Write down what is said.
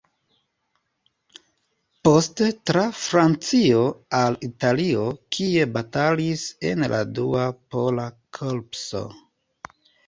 Poste tra Francio al Italio, kie batalis en la Dua Pola Korpuso.